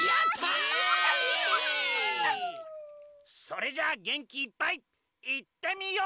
それじゃあげんきいっぱいいってみよう！